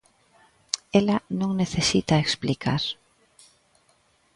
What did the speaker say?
Ela non necesita explicar.